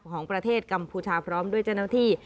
ของประเทศกัมพูชาพร้อมด้วยเจ้าหน้าที่